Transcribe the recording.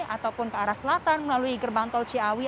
ataupun ke arah selatan melalui gerbang tol ciawi